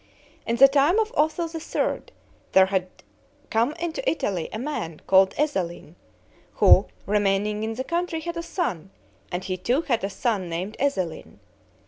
In the time of Otho III. there had come into Italy a man called Ezelin, who, remaining in the country, had a son, and he too had a son named Ezelin.